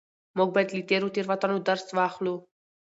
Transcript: موږ بايد له تېرو تېروتنو درس واخلو.